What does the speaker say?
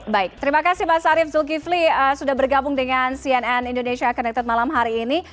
baik terima kasih mas arief zulkifli sudah bergabung dengan cnn indonesia connected malam hari ini